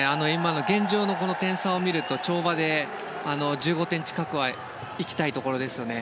現状の点差を見ると跳馬で１５点近くはいきたいところですね。